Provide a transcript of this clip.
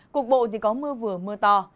cục bộ thì có mưa vừa mưa to